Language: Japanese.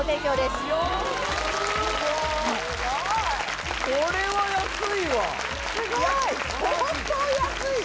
すごい！